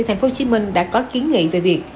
tp hcm đã có kiến nghị về việc